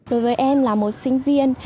đối với em là một sinh viên